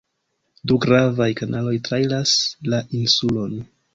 Du gravaj kanaloj trairas la insulon.